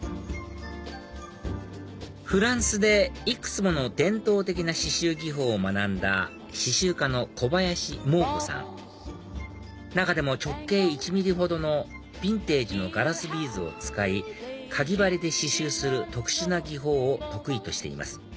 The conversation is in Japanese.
フランスでいくつもの伝統的な刺しゅう技法を学んだ刺しゅう家の小林モー子さん中でも直径１ｍｍほどのビンテージのガラスビーズを使いかぎ針で刺しゅうする特殊な技法を得意としています